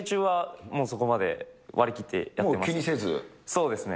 そうですね。